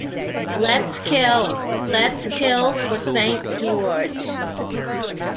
Let's kill, let's kill", "for Saint George!